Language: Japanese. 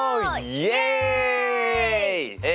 イエイ！え